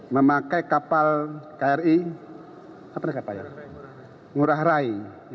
memakai kapal kri ngurah rai